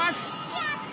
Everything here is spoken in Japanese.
やった！